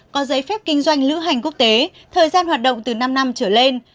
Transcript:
có giấy phép kinh doanh lữ hành quốc tế thời gian hoạt động từ năm năm trở lên